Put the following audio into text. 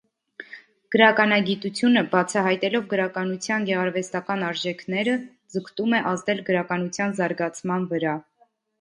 Գրականագիտությունը, բացահայտելով գրականության գեղարվեստական արժեքները, ձգտում է ազդել գրականության զարգացման վրա։